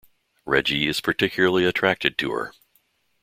Reggie is particularly attracted to her.